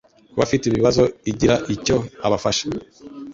ku bafite ibibazo agiraicyo abafasha